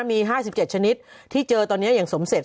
มี๕๗ชนิดที่เจอตอนนี้อย่างสมเสร็จ